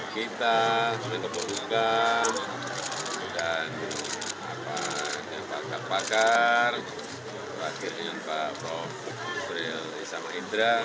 kita menemukan dan paham yang pakar pakar terakhir dengan pak prof jusril iza mahendra